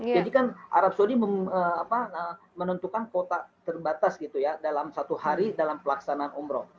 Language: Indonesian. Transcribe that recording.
jadi kan arab saudi menentukan kota terbatas gitu ya dalam satu hari dalam pelaksanaan umroh